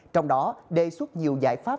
trong đó đề xuất nhiều giải pháp